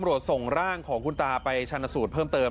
ก้มโหลดส่งร่างของคุณตาไปชาญสูตรเพิ่มเติม